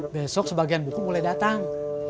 besok sebagian buku mulai datang